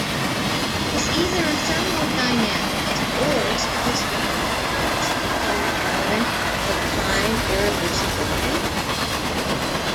Does either thermodynamics or statistical mechanics contain an element of time-irreversibility?